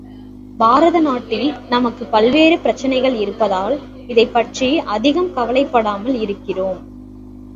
பாரத நாட்டில் நமக்குப் பல்வேறு பிரச்சனைகள் இருப்பதால் இதைப்பற்றி அதிகம் கவலைப்படாமல் இருக்கிறோம்.